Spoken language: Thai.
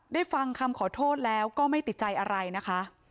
ฟังคำขอโทษแล้วก็ไม่ติดใจอะไรนะคะ